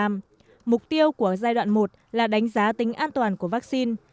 mục tiêu của giai đoạn một là đánh giá tính an toàn của vaccine